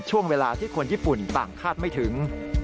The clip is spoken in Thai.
ช่วงเวลาที่คนญี่ปุ่นต่างคาดไม่ถึง